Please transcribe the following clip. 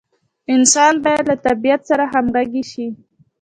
انسان باید له طبیعت سره همغږي شي.